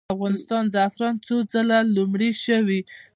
د افغانستان زعفران څو ځله لومړي شوي؟